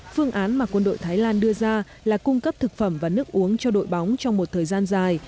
phương án mà quân đội thái lan đưa ra là cung cấp thực phẩm và nước uống cho đội bóng trong một thời gian dài